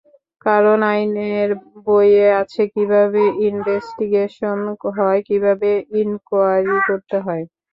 কারণ, আইনের বইয়ে আছে, কীভাবে ইনভেস্টিগেশন হয়, কীভাবে ইনকোয়ারি করতে হয়।